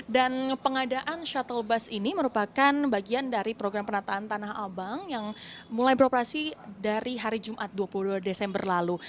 dan pengadaan shuttle bus ini merupakan bagian dari program penataan tanah abang yang mulai beroperasi dari hari jumat dua puluh dua desember lalu